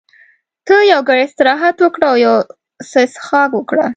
ته یو ګړی استراحت وکړه او یو څه څښاک وکړه.